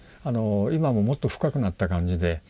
今ももっと深くなった感じで。